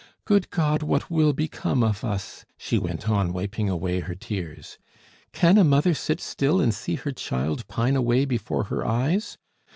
"Good God! what will become of us!" she went on, wiping away her tears. "Can a mother sit still and see her child pine away before her eyes?